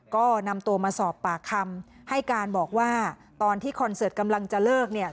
ก็นำตัวมาสอบปากคำให้การบอกว่าตอนที่คอนเสิร์ตกำลังจะเลิกเนี่ย